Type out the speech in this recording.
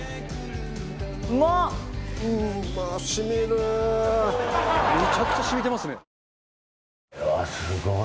めちゃくちゃ染みてますね。